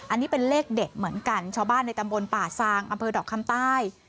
อันนี้เป็นเลขเด็ดเหมือนกันชาวบ้านในตำบลป่าซางอำเภอดอกคำใต้